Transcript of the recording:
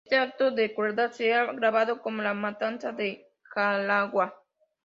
Este acto de crueldad se ha grabado como la matanza de Jaragua.